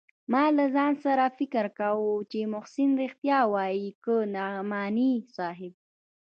ما له ځان سره فکر کاوه چې محسن رښتيا وايي که نعماني صاحب.